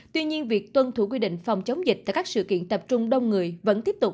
tuy nhiên việc tuân thủ quy định phòng chống dịch tại các sự kiện tập trung đông người vẫn tiếp tục